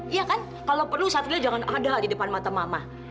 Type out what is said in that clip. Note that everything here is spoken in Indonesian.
iya kan kalau perlu satrio jangan ada di depan mata mama